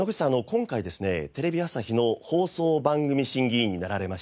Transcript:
今回ですねテレビ朝日の放送番組審議委員になられました。